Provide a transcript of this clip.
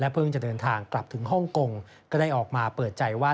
เพิ่งจะเดินทางกลับถึงฮ่องกงก็ได้ออกมาเปิดใจว่า